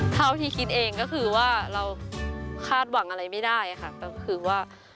เท่าที่คิดเองก็คือว่าเราคาดหวังอะไรไม่ได้ค่ะก็คือว่า